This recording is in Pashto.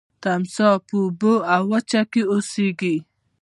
تمساح په اوبو او وچه کې اوسیږي